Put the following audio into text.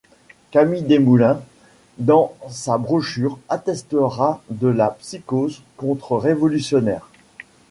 Camille Desmoulins, dans sa brochure, attestera de la psychose contre-révolutionnaire.